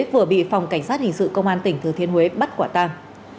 vừa bị phòng cảnh sát hình sự công an tỉnh thứ thiên huế bắt quả tang